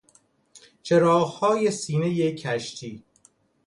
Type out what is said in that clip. چراغهای سینهی کشتی